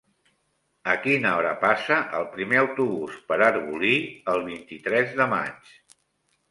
A quina hora passa el primer autobús per Arbolí el vint-i-tres de maig?